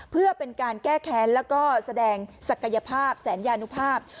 เพื่อเป็นการแก้แค้นแล้วก็แสดงศักยภาพแสนยานุภาพ